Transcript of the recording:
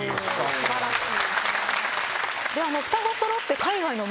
素晴らしい。